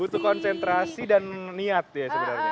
butuh konsentrasi dan niat ya sebenarnya